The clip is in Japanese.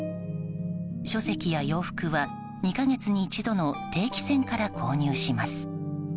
書籍や洋服は、２か月に一度の定期船から購入します。